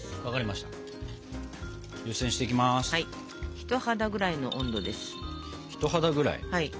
人肌ぐらいの温度です。